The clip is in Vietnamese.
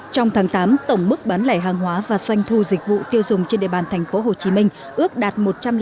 trong tháng tám tổng mức bán lẻ hàng hóa và doanh thu dịch vụ tiêu dùng trên địa bàn tp hcm ước đạt